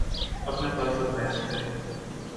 اپنا تاثر بیان کریں